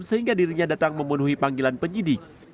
sehingga dirinya datang memenuhi panggilan penyidik